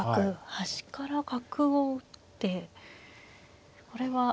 端から角を打ってこれは。